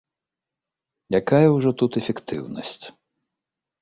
Якая ўжо тут эфектыўнасць!